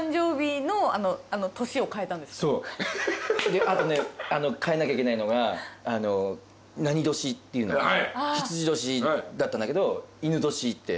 であとね変えなきゃいけないのがなに年っていうのも未年だったんだけど戌年って。